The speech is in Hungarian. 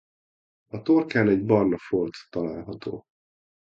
A torkán egy barna folt található.